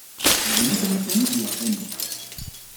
D nitni kan ay d-yeqqimen.